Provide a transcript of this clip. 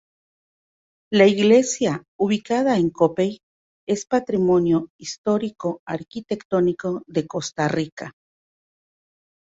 La iglesia ubicada en Copey es patrimonio histórico-arquitectónico de Costa Rica.